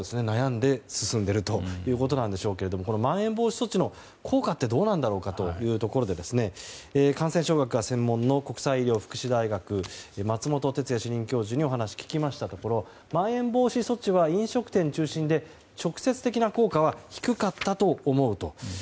悩んで進んでいるということなんでしょうけどまん延防止措置の効果ってどうなんだろうかというところで感染症学が専門の国際医療福祉大学松本哲哉主任教授にお話を聞きましたところまん延防止措置は飲食店中心で直接的な効果は低かったと思うと。